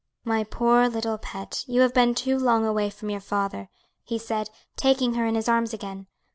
"My poor little pet, you have been too long away from your father," he said, taking her in his arms again.